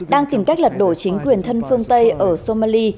đang tìm cách lật đổ chính quyền thân phương tây ở somali